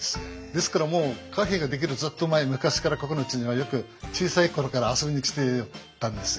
ですからもうカフェが出来るずっと前昔からここのうちにはよく小さい頃から遊びに来てたんですよ。